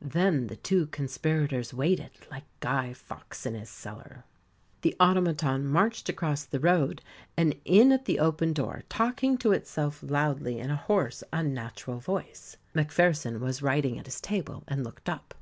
Then the two conspirators waited, like Guy Fawkes in his cellar. The automaton marched across the road and in at the open door, talking to itself loudly in a hoarse, unnatural voice. Macpherson was writing at his table, and looked up.